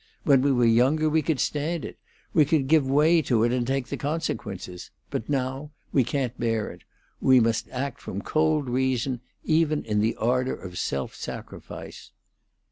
When we were younger we could stand it; we could give way to it and take the consequences. But now we can't bear it. We must act from cold reason even in the ardor of self sacrifice."